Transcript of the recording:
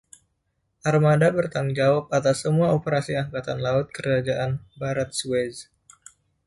Armada bertanggung jawab atas semua operasi Angkatan Laut Kerajaan "Barat Suez".